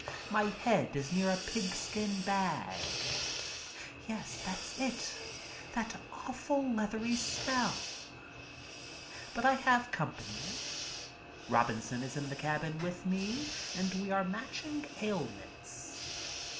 My head is near a new pigskin bag. Yes, that's it, that awful leathery smell. But I have company. Robin son is in the cabin with me and we are matching ailments.